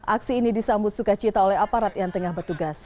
aksi ini disambut sukacita oleh aparat yang tengah bertugas